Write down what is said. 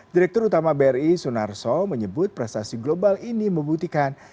direktur utama bri sunarso menyebut prestasi global ini membuktikan